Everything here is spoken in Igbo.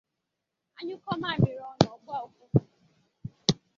A nyụkọ amịrị ọnụ ọ gbọ ụfụfụ